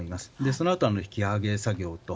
そのあと、引き上げ作業と。